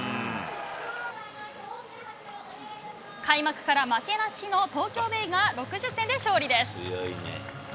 開幕から負けなしの東京ベイが６０点で勝利です。